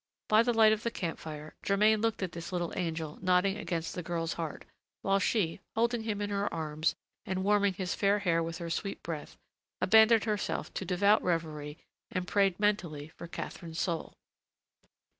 By the light of the camp fire, Germain looked at his little angel nodding against the girl's heart, while she, holding him in her arms and warming his fair hair with her sweet breath, abandoned herself to devout reverie and prayed mentally for Catherine's soul.